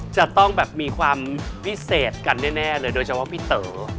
จะต้องแบบมีความพิเศษกันแน่เลยโดยเฉพาะพี่เต๋อ